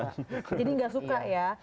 jadi gak suka ya